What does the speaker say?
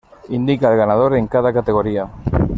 Indica el ganador en cada categoría.